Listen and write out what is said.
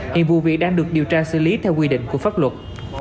hiện vụ việc đang được điều tra xử lý theo quy định của pháp luật